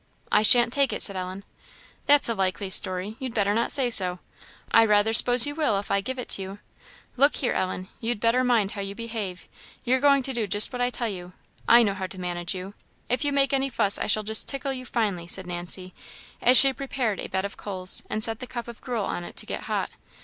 "I shan't take it," said Ellen. "That's a likely story! You'd better not say so. I rather s'pose you will if I give it to you. Look here, Ellen, you'd better mind how you behave; you're going to do just what I tell you. I know how to manage you; if you make any fuss I shall just tickle you finely," said Nancy, as she prepared a bed of coals, and set the cup of gruel on it to get hot.